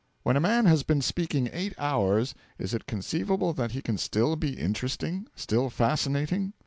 When a man has been speaking eight hours, is it conceivable that he can still be interesting, still fascinating?